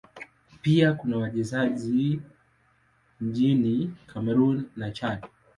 Pia kuna wasemaji nchini Kamerun na Chad.